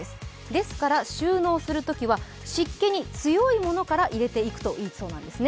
ですから収納するときは湿気に強いものから入れていくといいそうです。